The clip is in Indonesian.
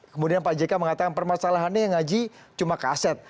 kemudian pak jk mengatakan permasalahannya yang ngaji cuma kaset